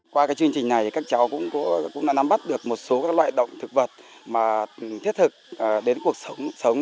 qua chương trình này các cháu cũng đã nắm bắt được một số các loại động thực vật mà thiết thực đến cuộc sống